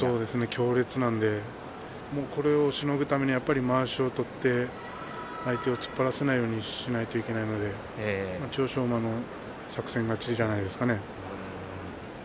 強烈なのでこれをしのぐためにはまわしを取って相手を突っ張らせないようにしないといけないので千代翔馬の作戦勝ちじゃないですかね。